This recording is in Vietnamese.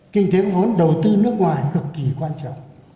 kinh tế vốn đầu tư nước ngoài cực kỳ quan trọng